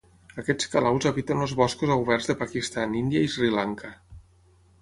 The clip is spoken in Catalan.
Aquests calaus habiten els boscos oberts de Pakistan, Índia i Sri Lanka.